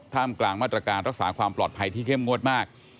กลางมาตรการรักษาความปลอดภัยที่เข้มงวดมาก